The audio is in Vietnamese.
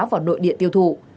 vào nội địa tiêu thụ